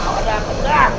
awan dah kejah